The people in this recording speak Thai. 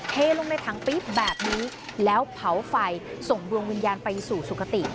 เทลงในถังปี๊บแบบนี้แล้วเผาไฟส่งดวงวิญญาณไปสู่สุขติ